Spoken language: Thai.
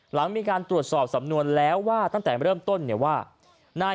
หลังนั้นมีการตรวจสอบสำนวนทั้งแต่เริ่มแล้วว่า